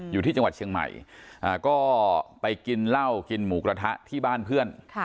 อยู่ที่จังหวัดเชียงใหม่ก็ไปกินเหล้ากินหมูกระทะที่บ้านเพื่อน